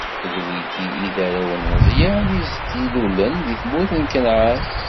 D wigi i d arraw n Meẓyan, i s-d-ilulen di tmurt n Kanɛan.